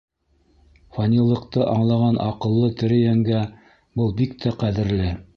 Фанилыҡты аңлаған аҡыллы тере йәнгә был бик тә ҡәҙерле.